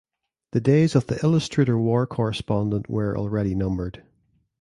The days of the illustrator war correspondent were already numbered.